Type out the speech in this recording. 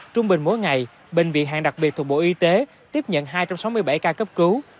trung bình mỗi ngày bệnh viện hàng đặc biệt thuộc bộ y tế tiếp nhận hai trăm sáu mươi bảy ca cấp cứu